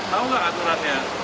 tahu nggak aturannya